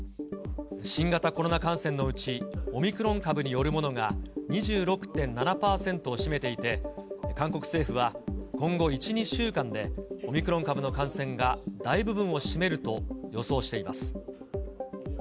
新型コロナ感染のうち、オミクロン株によるものが、２６．７％を占めていて、韓国政府は、今後１、２週間でオミクロン株の感染が、大部分を占めると予想しています。